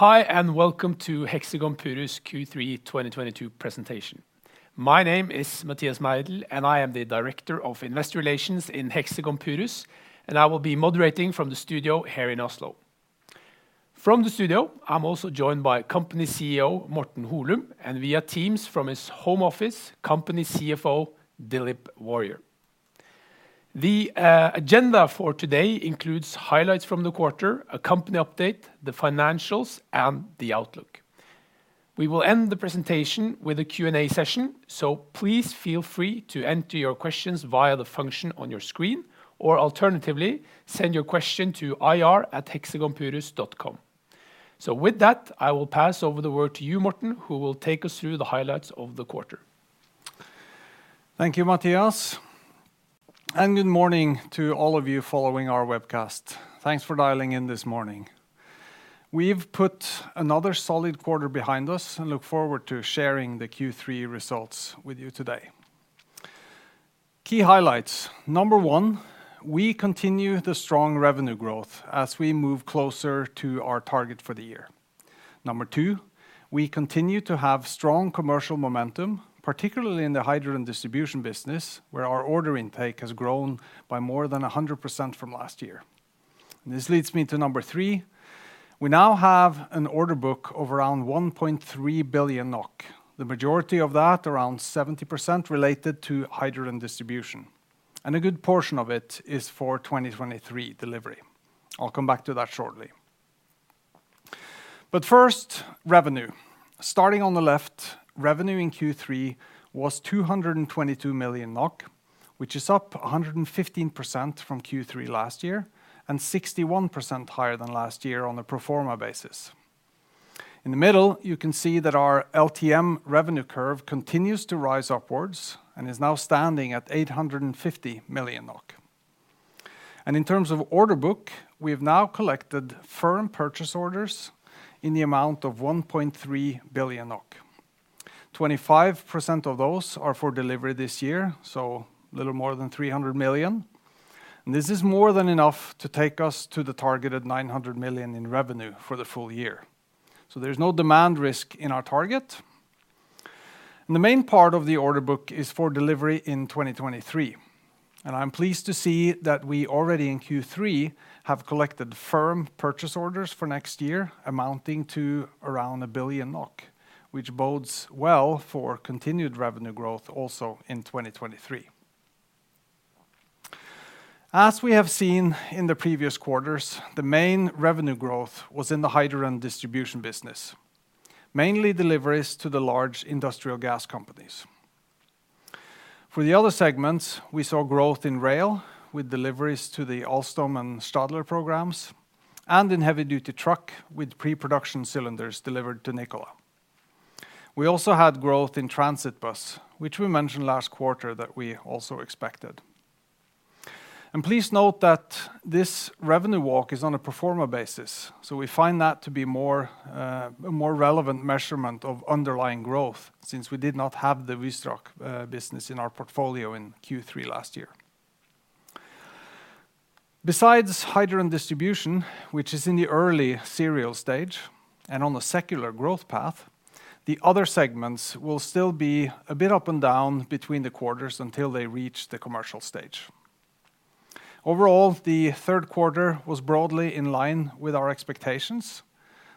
Hi, and welcome to Hexagon Purus Q3 2022 presentation. My name is Mathias Meidell, and I am the Director of Investor Relations at Hexagon Purus. I will be moderating from the studio here in Oslo. From the studio, I'm also joined by company CEO, Morten Holum, and via Teams from his home office, company CFO, Dilip Warrier. The agenda for today includes highlights from the quarter, a company update, the financials, and the outlook. We will end the presentation with a Q&A session, so please feel free to enter your questions via the function on your screen, or alternatively, send your questions to ir@hexagonpurus.com. With that, I will pass the word over to you, Morten, who will take us through the highlights of the quarter. Thank you, Mathias, and good morning to all of you following our webcast. Thanks for dialing in this morning. We've put another solid quarter behind us and look forward to sharing the Q3 results with you today. Key highlights: Number one, we continue the strong revenue growth as we move closer to our target for the year. Number two, we continue to have strong commercial momentum, particularly in the hydrogen distribution business, where our order intake has grown by more than 100% from last year. This leads me to number three. We now have an order book of around 1.3 billion NOK. The majority of that, around 70%, is related to hydrogen distribution. A good portion of it is for 2023 delivery. I'll come back to that shortly. First, revenue. Starting on the left, revenue in Q3 was 222 million NOK, which is up 115% from Q3 last year and 61% higher than last year on a pro forma basis. In the middle, you can see that our LTM revenue curve continues to rise and is now standing at 850 million NOK. In terms of order book, we have now collected firm purchase orders in the amount of 1.3 billion NOK. 25% of those are for delivery this year, so a little more than 300 million. This is more than enough to take us to the targeted 900 million in revenue for the full year. There is no demand risk in our target. The main part of the order book is for delivery in 2023. I'm pleased to see that we already in Q3 have collected firm purchase orders for next year amounting to around 1 billion NOK, which bodes well for continued revenue growth also in 2023. As we have seen in previous quarters, the main revenue growth was in the hydrogen distribution business, mainly deliveries to the large industrial gas companies. For the other segments, we saw growth in rail with deliveries to the Alstom and Stadler programs and in heavy-duty trucks with pre-production cylinders delivered to Nikola. We also had growth in transit bus, which we mentioned last quarter that we also expected. Please note that this revenue walk is on a pro forma basis, so we find that to be a more relevant measurement of underlying growth since we did not have the Wystrach business in our portfolio in Q3 last year. Besides hydrogen distribution, which is in the early serial stage and on a secular growth path, the other segments will still be a bit up and down between the quarters until they reach the commercial stage. Overall, the third quarter was broadly in line with our expectations.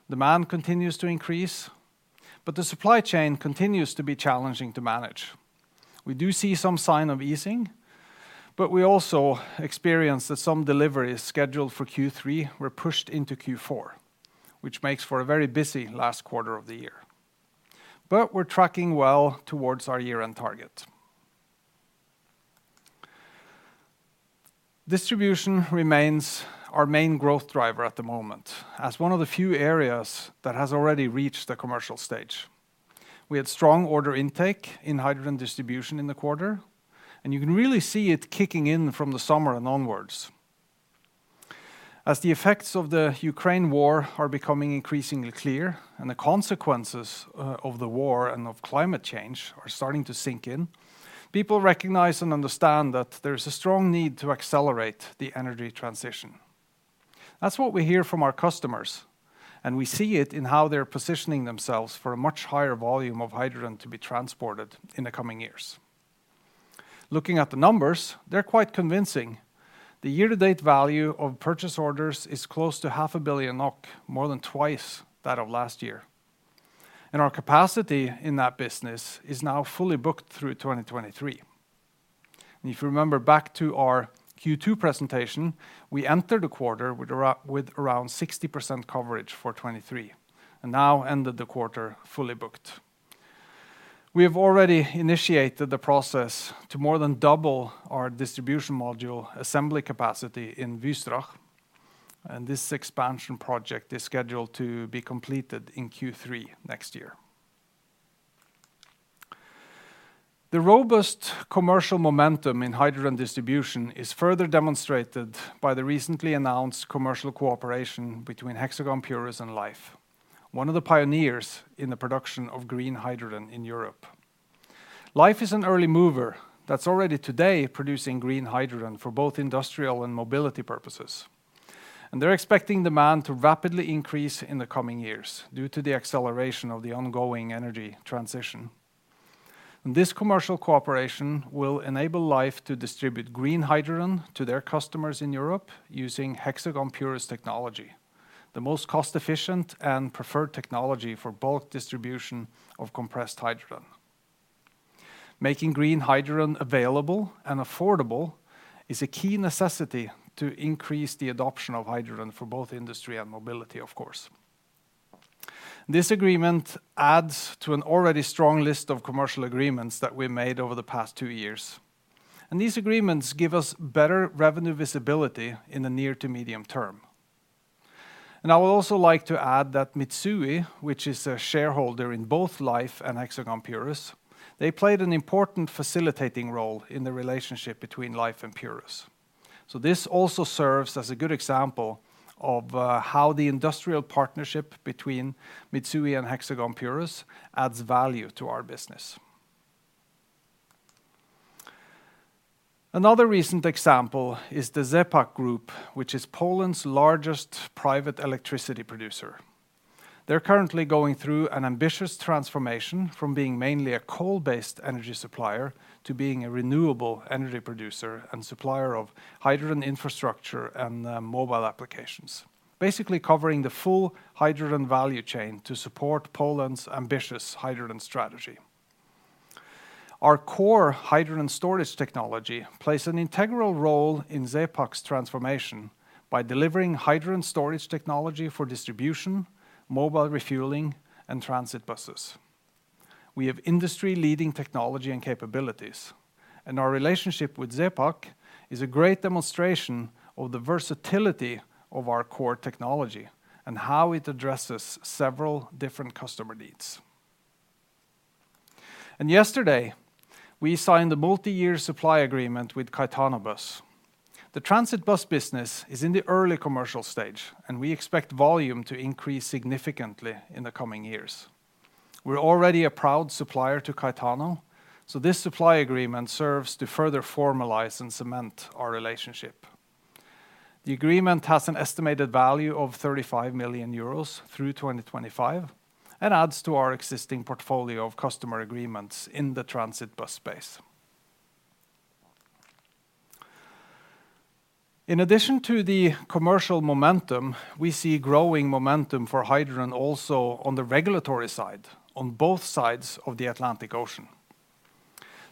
Demand continues to increase, but the supply chain continues to be challenging to manage. We do see some signs of easing, but we also experience that some deliveries scheduled for Q3 were pushed into Q4, which makes for a very busy last quarter of the year. We're tracking well toward our year-end target. Distribution remains our main growth driver at the moment as one of the few areas that has already reached the commercial stage. We had strong order intake in hydrogen distribution in the quarter, and you can really see it kicking in from the summer and onward. As the effects of the Ukraine war are becoming increasingly clear and the consequences of the war and of climate change are starting to sink in, people recognize and understand that there's a strong need to accelerate the energy transition. That's what we hear from our customers, and we see it in how they're positioning themselves for a much higher volume of hydrogen to be transported in the coming years. Looking at the numbers, they're quite convincing. The year-to-date value of purchase orders is close to half a billion NOK, more than twice that of last year. Our capacity in that business is now fully booked through 2023. If you remember back to our Q2 presentation, we entered the quarter with around 60% coverage for 2023, and now ended the quarter fully booked. We have already initiated the process to more than double our distribution module assembly capacity in Wystrach, and this expansion project is scheduled to be completed in Q3 next year. The robust commercial momentum in hydrogen distribution is further demonstrated by the recently announced commercial cooperation between Hexagon Purus and Lhyfe, one of the pioneers in the production of green hydrogen in Europe. Lhyfe is an early mover that's already producing green hydrogen for both industrial and mobility purposes, and they're expecting demand to rapidly increase in the coming years due to the acceleration of the ongoing energy transition. This commercial cooperation will enable Lhyfe to distribute green hydrogen to their customers in Europe using Hexagon Purus technology, the Most cost-efficient and preferred technology for bulk distribution of compressed hydrogen. Making green hydrogen available and affordable is a key necessity to increase the adoption of hydrogen for both industry and mobility, of course. This agreement adds to an already strong list of commercial agreements that we have made over the past two years, and these agreements give us better revenue visibility in the near to medium term. I would also like to add that Mitsui, which is a shareholder in both Lhyfe and Hexagon Purus, played an important facilitating role in the relationship between Lhyfe and Purus. This also serves as a good example of how the industrial partnership between Mitsui and Hexagon Purus adds value to our business. Another recent example is the ZE PAK Group, which is Poland's largest private electricity producer. They're currently undergoing an ambitious transformation from being mainly a coal-based energy supplier to becoming a renewable energy producer and supplier of hydrogen infrastructure and mobile applications, basically covering the full hydrogen value chain to support Poland's ambitious hydrogen strategy. Our core hydrogen storage technology plays an integral role in ZE PAK's transformation by delivering hydrogen storage technology for distribution, mobile refueling, and transit buses. We have industry-leading technology and capabilities, and our relationship with ZE PAK is a great demonstration of the versatility of our core technology and how it addresses several different customer needs. Yesterday, we signed a multi-year supply agreement with CaetanoBus. The transit bus business is in its early commercial stage, and we expect volume to increase significantly in the coming years. We're already a proud supplier to Caetano, so this supply agreement serves to further formalize and cement our relationship. The agreement has an estimated value of 35 million euros through 2025 and adds to our existing portfolio of customer agreements in the transit bus space. In addition to the commercial momentum, we see growing momentum for hydrogen on the regulatory side as well, on both sides of the Atlantic Ocean.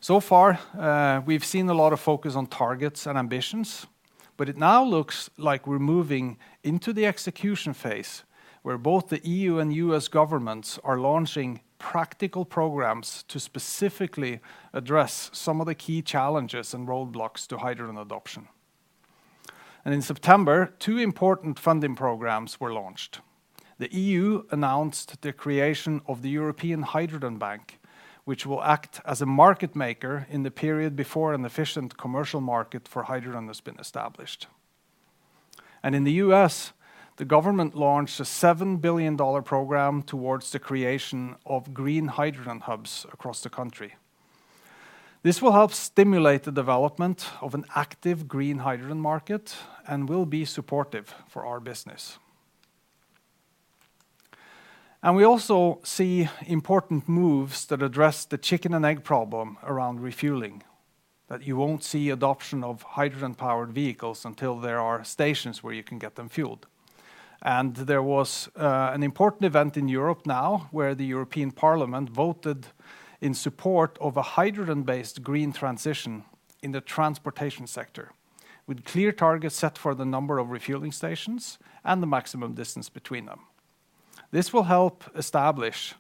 So far, we've seen a lot of focus on targets and ambitions, but it now looks like we're moving into the execution phase, where both the EU and U.S. governments are launching practical programs to specifically address some of the key challenges and roadblocks to hydrogen adoption. In September, two important funding programs were launched. The EU announced the creation of the European Hydrogen Bank, which will act as a market maker in the period before an efficient commercial market for hydrogen has been established. In the U.S., the government launched a $7 billion program for the creation of green hydrogen hubs across the country. This will help stimulate the development of an active green hydrogen market and will be supportive of our business. We also see important moves that address the chicken-and-egg problem around refueling, in that you won't see adoption of hydrogen-powered vehicles until there are stations where you can get them fueled. There was an important event in Europe recently where the European Parliament voted in support of a hydrogen-based green transition in the transportation sector, with clear targets set for the number of refueling stations and the maximum distance between them. This will help establish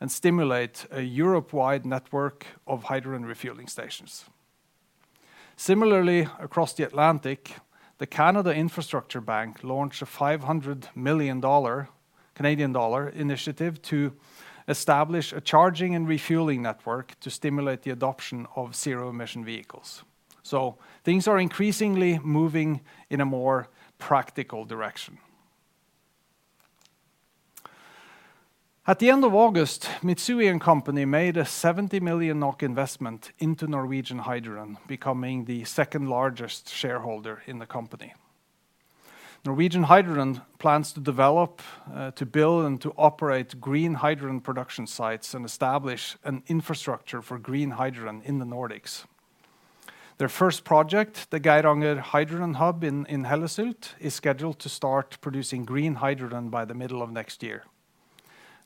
and stimulate a Europe-wide network of hydrogen refueling stations. Similarly, across the Atlantic, the Canada Infrastructure Bank launched a 500 million Canadian dollar initiative to establish a charging and refueling network to stimulate the adoption of zero-emission vehicles. Things are increasingly moving in a more practical direction. At the end of August, Mitsui & Co. made a 70 million NOK investment into Norwegian Hydrogen, becoming the second-largest shareholder in the company. Norwegian Hydrogen plans to develop, build, and operate green hydrogen production sites and establish an infrastructure for green hydrogen in the Nordics. Their first project, the Geiranger Hydrogen Hub in Hellesylt, is scheduled to start producing green hydrogen by the middle of next year.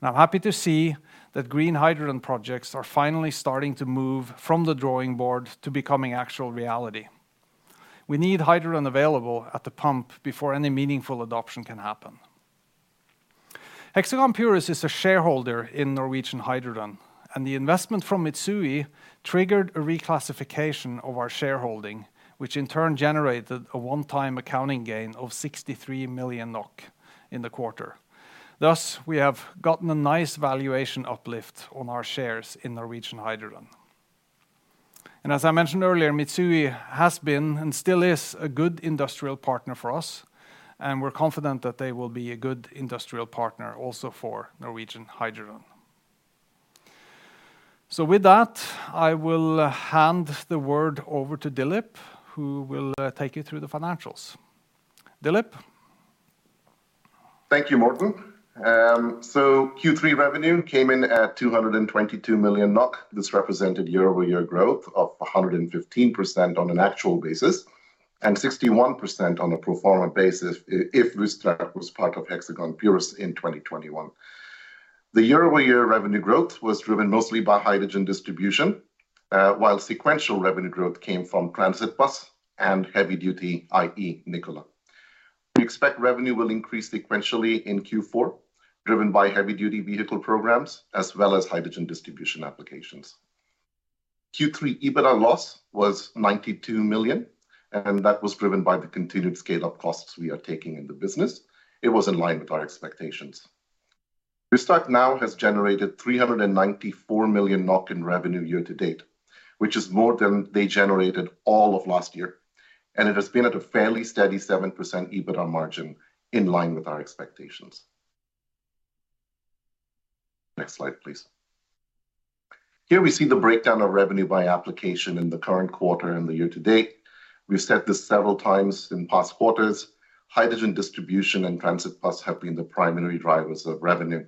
I'm happy to see that green hydrogen projects are finally starting to move from the drawing board to becoming actual reality. We need hydrogen available at the pump before any meaningful adoption can happen. Hexagon Purus is a shareholder in Norwegian Hydrogen, and the investment from Mitsui triggered a reclassification of our shareholding, which in turn generated a one-time accounting gain of 63 million NOK in the quarter. Thus, we have gotten a nice valuation uplift on our shares in Norwegian Hydrogen. As I mentioned earlier, Mitsui has been and still is a good industrial partner for us, and we're confident that they will be a good industrial partner also for Norwegian Hydrogen. With that, I will hand the word over to Dilip, who will take you through the financials. Dilip. Thank you, Morten. Q3 revenue came in at 222 million NOK. This represented year-over-year growth of 115% on an actual basis and 61% on a pro forma basis if Wystrach had been part of Hexagon Purus in 2021. The year-over-year revenue growth was driven mostly by hydrogen distribution, while sequential revenue growth came from transit bus and heavy-duty, i.e., Nikola. We expect revenue to increase sequentially in Q4, driven by heavy-duty vehicle programs as well as hydrogen distribution applications. Q3 EBITDA loss was 92 million, and that was driven by the continued scale-up costs we are incurring in the business. It was in line with our expectations. Wystrach has now generated 394 million NOK in revenue year to date, which is more than they generated all of last year, and it has been at a fairly steady 7% EBITDA margin, in line with our expectations. Next slide, please. Here we see the breakdown of revenue by application in the current quarter and year to date. We've said this several times in past quarters. Hydrogen distribution and transit bus have been the primary drivers of revenue.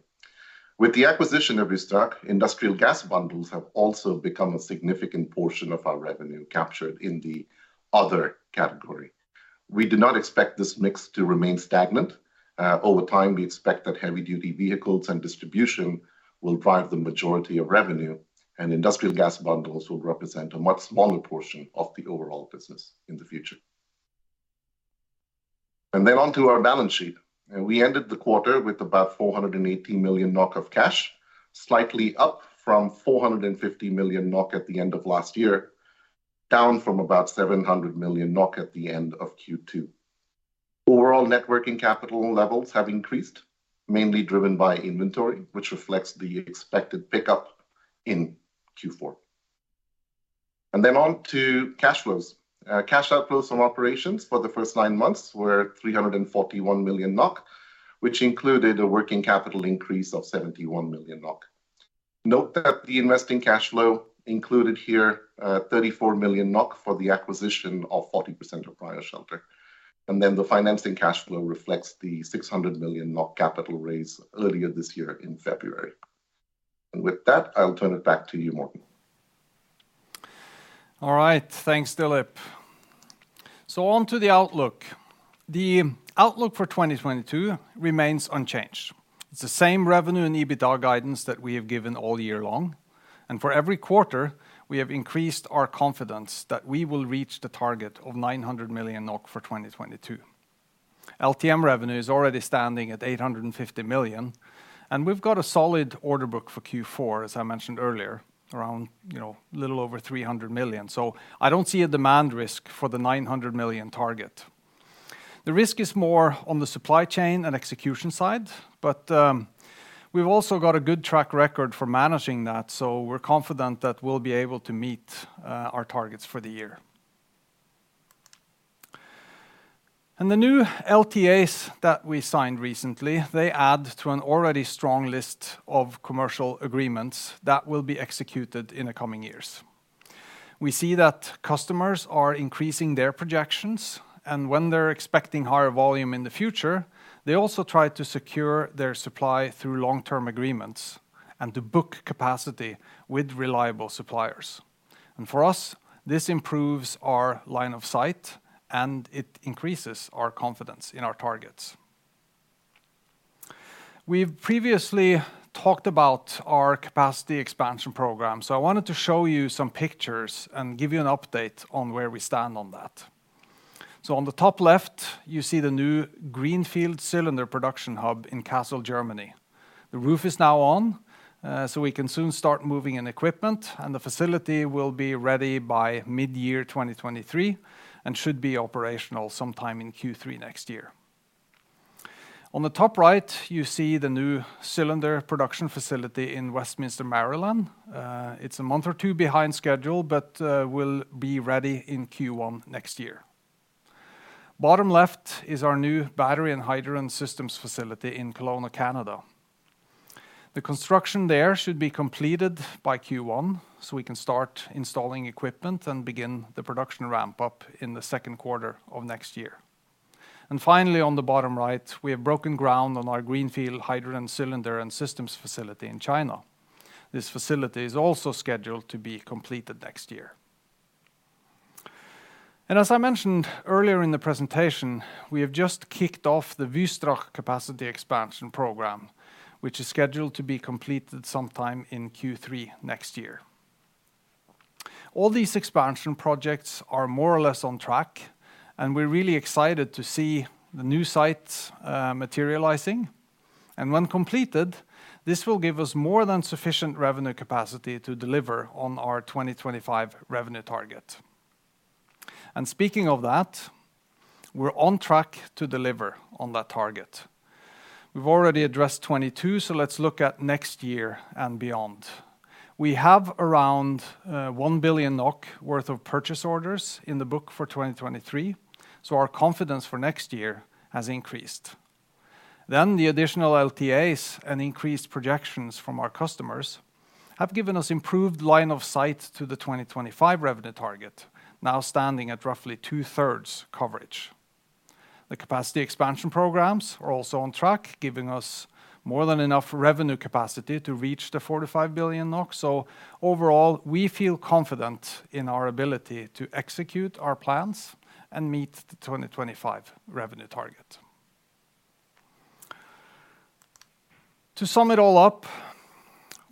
With the acquisition of Wystrach, industrial gas bundles have also become a significant portion of our revenue, captured in the "other" category. We do not expect this mix to remain stagnant. Over time, we expect that heavy-duty vehicles and distribution will drive the majority of revenue, and industrial gas bundles will represent a much smaller portion of the overall business in the future. On to our balance sheet. We ended the quarter with about 480 million NOK in cash, slightly up from 450 million NOK at the end of last year, and down from about 700 million NOK at the end of Q2. Overall net working capital levels have increased, mainly driven by inventory, which reflects the expected pickup in Q4. On to cash flows. Cash outflows from operations for the first nine months were 341 million NOK, which included a working capital increase of 71 million NOK. Note that the investing cash flow included here is 34 million NOK for the acquisition of 40% of Cryoshelter. The financing cash flow reflects the 600 million NOK capital raise earlier this year in February. With that, I'll turn it back to you, Morten. All right. Thanks, Dilip. On to the outlook. The outlook for 2022 remains unchanged. It's the same revenue and EBITDA guidance that we have given all year long. Every quarter, we have increased our confidence that we will reach the target of 900 million NOK for 2022. LTM revenue is already standing at 850 million, and we've got a solid order book for Q4, as I mentioned earlier, a little over 300 million. I don't see a demand risk for the 900 million target. The risk is more on the supply chain and execution side, but we've also got a good track record for managing that, so we're confident that we'll be able to meet our targets for the year. The new LTAs that we signed recently add to an already strong list of commercial agreements that will be executed in the coming years. We see that customers are increasing their projections, and when they're expecting higher volume in the future, they also try to secure their supply through long-term agreements and to book capacity with reliable suppliers. For us, this improves our line of sight and increases our confidence in our targets. We've previously talked about our capacity expansion program, so I wanted to show you some pictures and give you an update on where we stand on that. On the top left, you see the new greenfield cylinder production hub in Kassel, Germany. The roof is now on, so we can soon start moving in equipment, and the facility will be ready by mid-year 2023 and should be operational sometime in Q3 next year. On the top right, you see the new cylinder production facility in Westminster, Maryland. It's a month or two behind schedule but will be ready in Q1 next year. Bottom left is our new battery and hydrogen systems facility in Kelowna, Canada. The construction there should be completed by Q1, so we can start installing equipment and begin the production ramp-up in the second quarter of next year. Finally, on the bottom right, we have broken ground on our greenfield hydrogen cylinder and systems facility in China. This facility is also scheduled to be completed next year. As I mentioned earlier in the presentation, we have just kicked off the Wystrach capacity expansion program, which is scheduled to be completed sometime in Q3 next year. All these expansion projects are more or less on track, and we're really excited to see the new sites materializing. When completed, this will give us more than sufficient revenue capacity to deliver on our 2025 revenue target. Speaking of that, we're on track to deliver on that target. We've already addressed 2022, so let's look at next year and beyond. We have around 1 billion NOK worth of purchase orders in the book for 2023, so our confidence for next year has increased. The additional LTAs and increased projections from our customers have given us improved line of sight to the 2025 revenue target, now standing at roughly two-thirds coverage. The capacity expansion programs are also on track, giving us more than enough revenue capacity to reach 45 billion NOK. Overall, we feel confident in our ability to execute our plans and meet the 2025 revenue target. To sum it all up,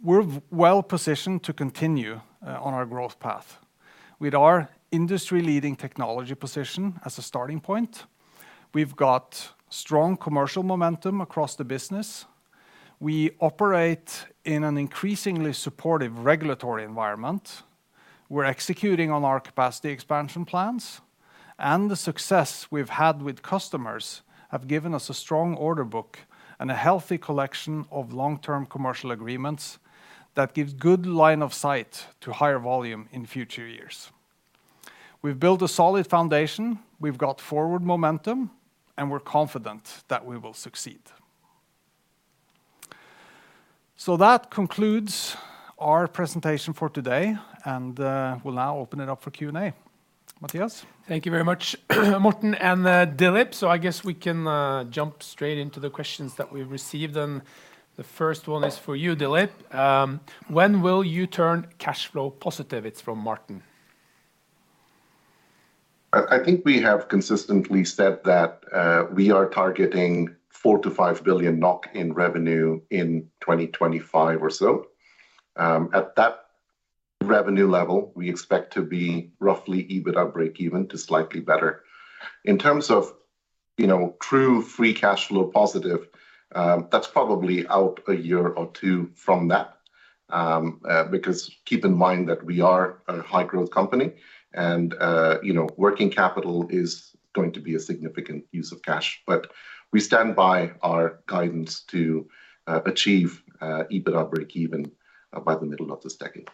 we're well-positioned to continue on our growth path. With our industry-leading technology position as a starting point, we've got strong commercial momentum across the business. We operate in an increasingly supportive regulatory environment. We're executing on our capacity expansion plans, and the success we've had with customers has given us a strong order book and a healthy collection of long-term commercial agreements that gives good line of sight to higher volume in future years. We've built a solid foundation, we've got forward momentum, and we're confident that we will succeed. That concludes our presentation for today, and we'll now open it up for Q&A. Matthias? Thank you very much, Morten and Dilip. I guess we can jump straight into the questions that we received, and the first one is for you, Dilip. When will you turn cash flow positive? It's from Martin. I think we have consistently said that we are targeting 4 billion-5 billion NOK in revenue in 2025 or so. At that revenue level, we expect to be roughly EBITA breakeven to slightly better. In terms of, you know, true free cash flow positive, that's probably out a year or two from that, because keep in mind that we are a high-growth company and, you know, working capital is going to be a significant use of cash. We stand by our guidance to achieve EBITA breakeven by the middle of this decade.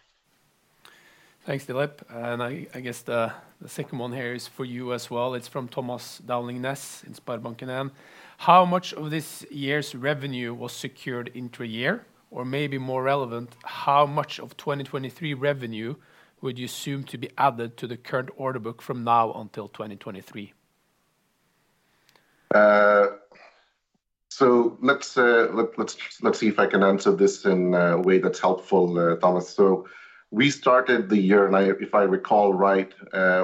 Thanks, Dilip, and I guess the second one here is for you as well. It's from Thomas Dowling Næss at SpareBank 1 Markets. How much of this year's revenue was secured for next year? Or maybe more relevant, how much of 2023 revenue would you assume to be added to the current order book from now until 2023? Let's see if I can answer this in a way that's helpful, Thomas. We started the year, if I recall correctly,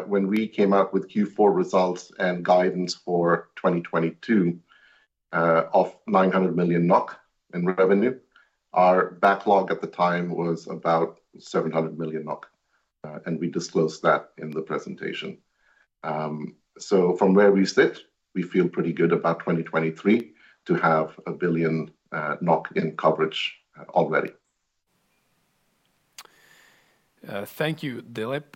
when we released Q4 results and guidance for 2022, with 900 million NOK in revenue. Our backlog at the time was about 700 million NOK, and we disclosed that in the presentation. From where we stand, we feel pretty good about 2023, already having a billion NOK in coverage. Thank you, Dilip.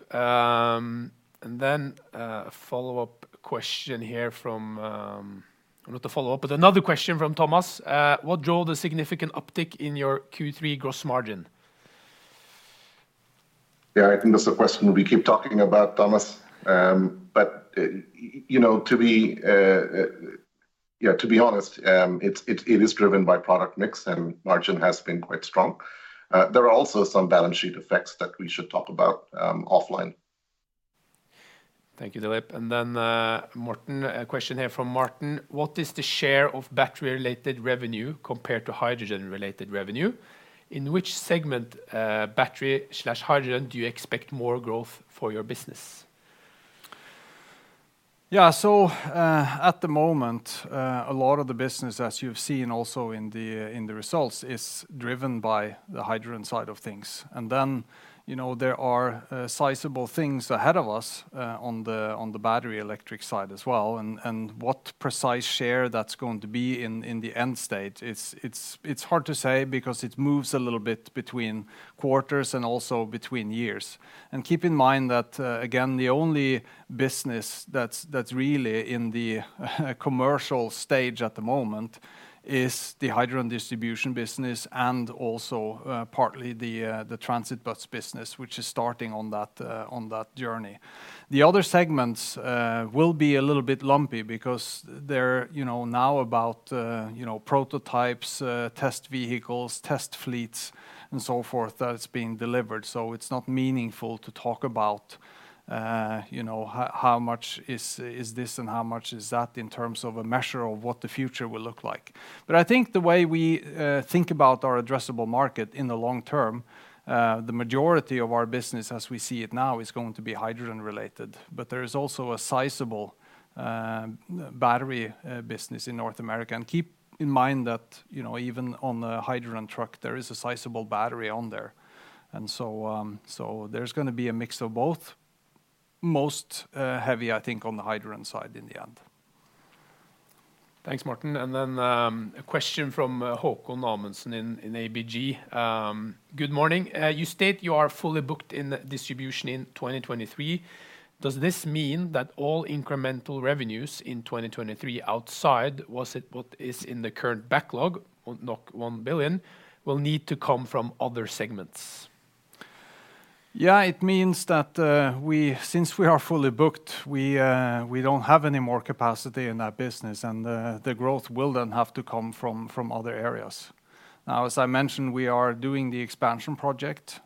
A follow-up question here, not a follow-up, but another question from Thomas. What drove the significant uptick in your Q3 gross margin? Yeah, I think that's a question we keep talking about, Thomas. You know, to be honest, it is driven by product mix, and margin has been quite strong. There are also some balance sheet effects that we should talk about offline. Thank you, Dilip. Morten, a question here from Martin: What is the share of battery-related revenue compared to hydrogen-related revenue? In which segment, battery or hydrogen, do you expect more growth for your business? Yeah. At the moment, a lot of the business, as you've seen also in the results, is driven by the hydrogen side of things. You know, there are sizable things ahead of us on the battery electric side as well, and what precise share that's going to be in the end state, it's hard to say because it moves a little bit between quarters and also between years. Keep in mind that, again, the only business that's really in the commercial stage at the moment is the hydrogen distribution business and also partly the transit bus business, which is starting on that journey. The other segments will be a little lumpy because they're now about prototypes, test vehicles, test fleets, and so forth that are being delivered. It's not meaningful to talk about how much is this and how much is that in terms of a measure of what the future will look like. I think the way we think about our addressable market in the long term, the majority of our business as we see it now is going to be hydrogen-related. There is also a sizable battery business in North America. Keep in mind that even on a hydrogen truck, there is a sizable battery. There's going to be a mix of both. Most heavily, I think, on the hydrogen side in the end. Thanks, Martin. A question from Håkon Amundsen at ABG. Good morning. You state you are fully booked in distribution in 2023. Does this mean that all incremental revenues in 2023, outside what is in the current backlog, not 1 billion, will need to come from other segments? Yeah. It means that, since we are fully booked, we don't have any more capacity in that business, and the growth will then have to come from other areas. Now, as I mentioned, we are doing the expansion project,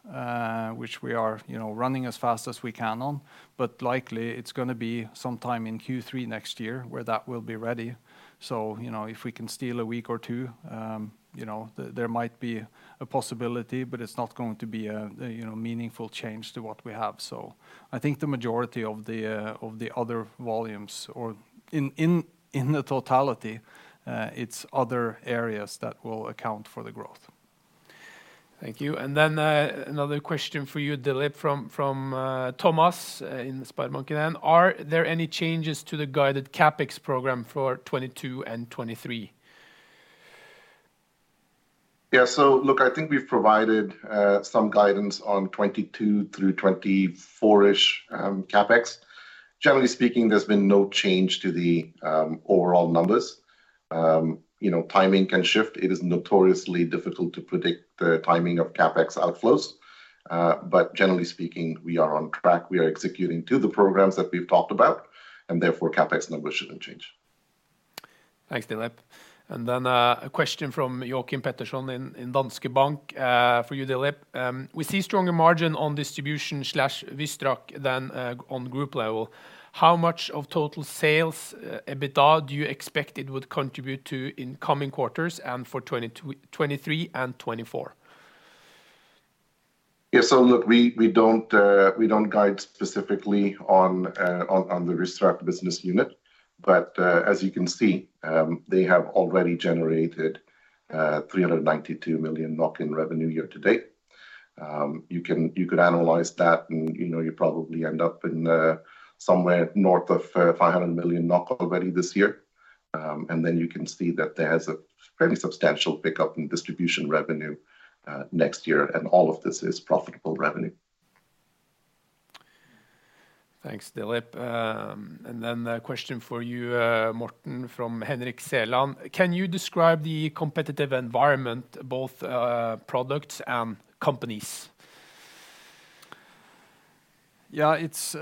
which we are, you know, running as fast as we can on. Likely it's gonna be sometime in Q3 next year where that will be ready. You know, if we can steal a week or two, you know, there might be a possibility, but it's not going to be a, you know, meaningful change to what we have. I think the majority of the other volumes or in the totality, it's other areas that will account for the growth. Thank you. Another question for you, Dilip, from Thomas at SpareBank 1 Markets. Are there any changes to the guided CapEx program for 2022 and 2023? Yeah. Look, I think we've provided some guidance on CapEx for 2022 through 2024-ish. Generally speaking, there's been no change to the overall numbers. You know, timing can shift. It is notoriously difficult to predict the timing of CapEx outflows. Generally speaking, we are on track. We are executing the programs that we've talked about, and therefore CapEx numbers shouldn't change. Thanks, Dilip. A question from Joakim Pettersson at Danske Bank for you, Dilip. We see stronger margins on distribution/Wystrach than at the group level. How much of total sales and EBITDA do you expect it to contribute in the coming quarters and for 2023 and 2024? Yeah. Look, we don't guide specifically on the Wystrach business unit. As you can see, they have already generated 392 million in revenue year-to-date. You could analyze that, and you know, you'd probably end up somewhere north of 500 million NOK already this year. Then you can see that there's a fairly substantial pickup in distribution revenue next year, and all of this is profitable revenue. Thanks, Dilip. A question for you, Martin, from Henrik Sellén. Can you describe the competitive environment, both products and companies? Yeah. It's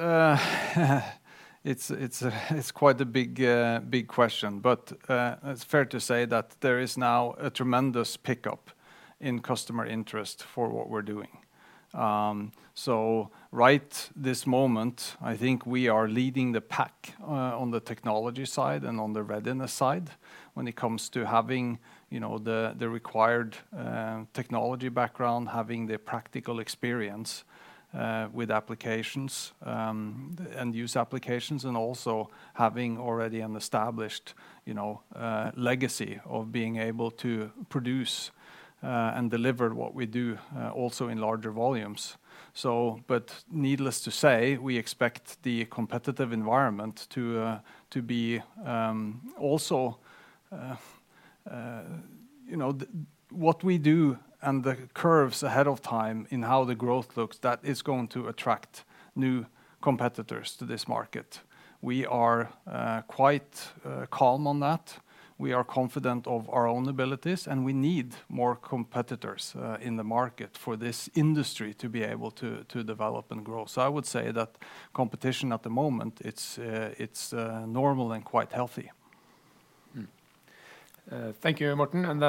quite a big question, but it's fair to say that there is now a tremendous pickup in customer interest for what we're doing. So right this moment, I think we are leading the pack on the technology side and on the readiness side when it comes to having, you know, the required technology background, having the practical experience with applications, end-use applications, and also having already an established, you know, legacy of being able to produce and deliver what we do also in larger volumes. Needless to say, we expect the competitive environment to be also, you know, what we do and the curves ahead of time in how the growth looks, that is going to attract new competitors to this market. We are quite calm about that. We are confident in our own abilities, and we need more competitors in the market for this industry to be able to develop and grow. I would say that competition at the moment is normal and quite healthy. Thank you, Martin.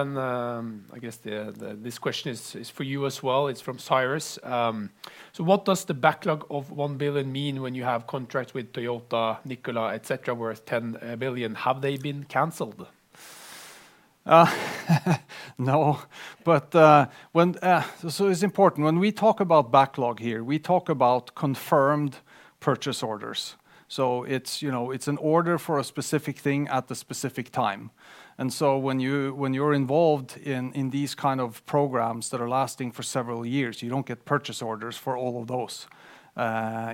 This question is for you as well. It's from Cyrus. What does the backlog of 1 billion mean when you have contracts with Toyota, Nikola, etcetera, worth 10 billion? Have they been canceled? No, it's important. When we talk about backlog here, we talk about confirmed purchase orders. It's, you know, an order for a specific thing at a specific time. When you're involved in these kinds of programs that are lasting for several years, you don't get purchase orders for all of those,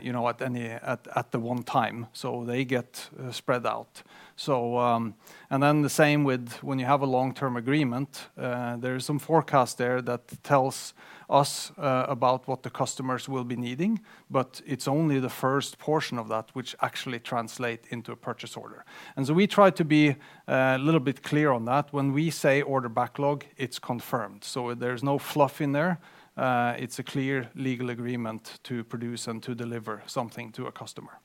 you know, at one time. They get spread out. The same with when you have a long-term agreement, there is some forecast there that tells us about what the customers will be needing, but it's only the first portion of that which actually translates into a purchase order. We try to be a little bit clearer on that. When we say order backlog, it's confirmed. There's no fluff in there. It's a clear legal agreement to produce and deliver something to a customer.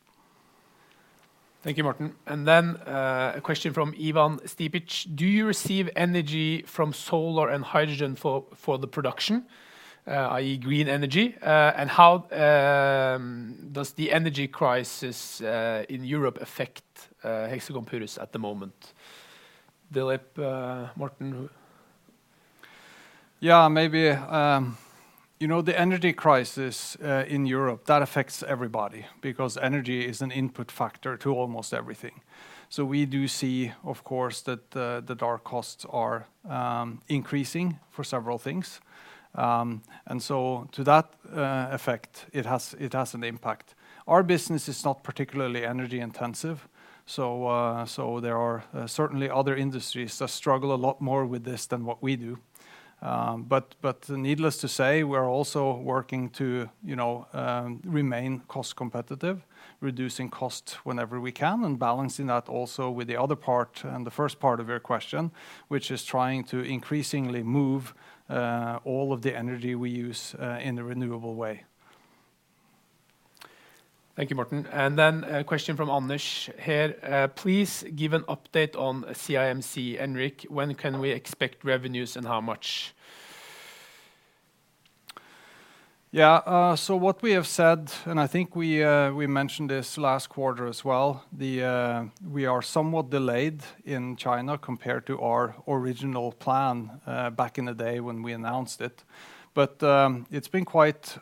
Thank you, Martin. A question from Ivan Stipic. Do you receive energy from solar and hydrogen for production, i.e., green energy? How does the energy crisis in Europe affect Hexagon Purus at the moment? Dilip, Martin? Yeah, maybe. You know, the energy crisis in Europe affects everybody because energy is an input factor to almost everything. We do see, of course, that our costs are increasing for several things. To that effect, it has an impact. Our business is not particularly energy-intensive. There are certainly other industries that struggle a lot more with this than we do. But needless to say, we're also working to remain cost-competitive, reducing costs whenever we can, and balancing that also with the other part and the first part of your question, which is trying to increasingly move all of the energy we use in a renewable way. Thank you, Morten. A question from Anish here. "Please give an update on CIMC, Henrik. When can we expect revenues and how much?" Yeah. So, what we have said, and I think we mentioned this last quarter as well, we are somewhat delayed in China compared to our original plan back in the day when we announced it. It's been quite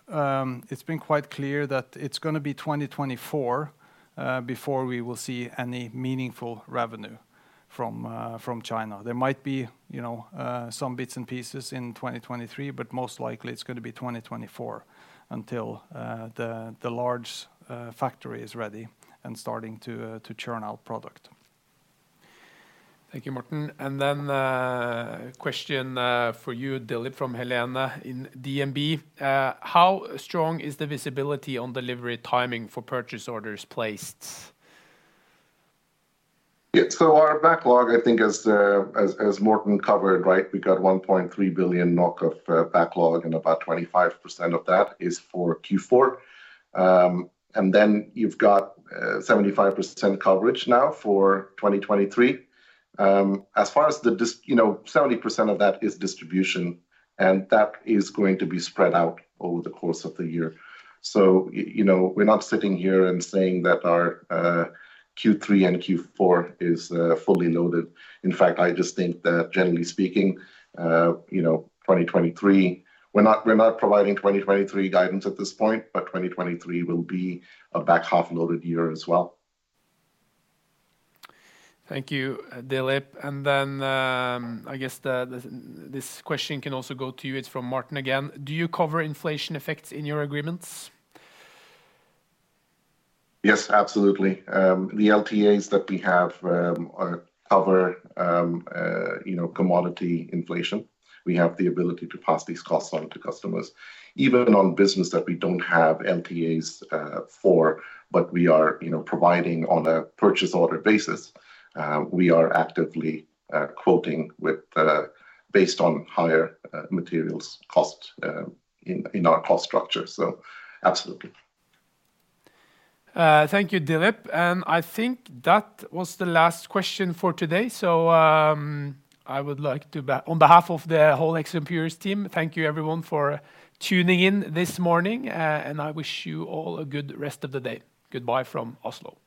clear that it's going to be 2024 before we will see any meaningful revenue from China. There might be, you know, some bits and pieces in 2023, but most likely it's going to be 2024 until the large factory is ready and starting to churn out product. Thank you, Morten. Question for you, Dilip, from Helena in DNB: "How strong is the visibility on delivery timing for purchase orders placed?" Yeah. Our backlog, I think as Morten covered, right, we have 1.3 billion NOK in backlog, and about 25% of that is for Q4. And then we have 75% coverage now for 2023. As you know, 70% of that is distribution, and that will be spread out over the course of the year. We're not sitting here and saying that our Q3 and Q4 are fully loaded. In fact, I just think that generally speaking, you know, we're not providing 2023 guidance at this point, but 2023 will be a back-half-loaded year as well. Thank you, Dilip. I guess this question can also go to you. It's from Martin again: "Do you cover inflation effects in your agreements?" Yes, absolutely. The LTAs that we have cover commodity inflation. We have the ability to pass these costs on to customers. Even on business that we don't have LTAs for, but we are providing on a purchase order basis, we are actively quoting based on higher material costs in our cost structure. Absolutely. Thank you, Dilip. I think that was the last question for today. On behalf of the whole XMperios team, I would like to thank everyone for tuning in this morning, and I wish you all a good rest of the day. Goodbye from Oslo. Thank you.